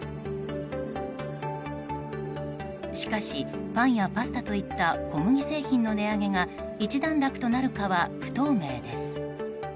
しかし、パンやパスタといった小麦製品の値上げが一段落となるかは不透明です。